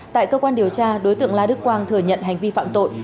tại cơ quan điều tra đối tượng la đức quang thừa nhận hành vi phạm tội